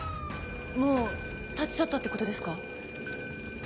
もう立ち去ったってことですか？